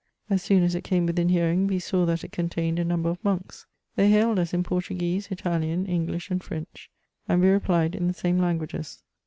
As soon as it came within hearing, we saw that it contained a number of monks ; they hailed us in Portuguese, Italian, Eng lish, and French, and we replied in the same languages.